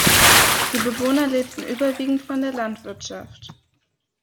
Die Bewohner lebten überwiegend von der Landwirtschaft.